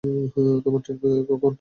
তোমার ট্রেন কখন?